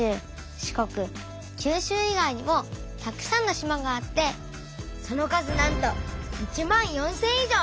四国九州以外にもたくさんの島があってその数なんと１万４，０００以上。